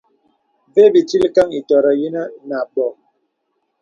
Və bì tilkəŋ ìtɔ̄rɔ̀k yinə̀ nə à bɔ̀.